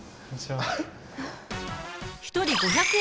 一人５００円